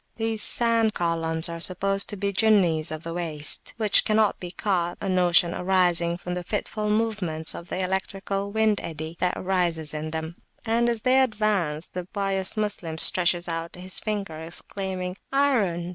These sand columns are supposed to be Jinnis of the Waste, which cannot be caught, a notion arising from the fitful movements of the electrical wind eddy that raises them, and as they advance, the pious Moslem stretches out his finger, exclaiming, Iron!